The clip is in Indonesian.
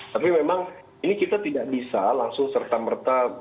tapi memang ini kita tidak bisa langsung serta merta